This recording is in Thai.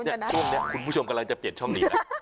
ช่วงนี้คุณผู้ชมกำลังจะเปลี่ยนช่องหนีนะ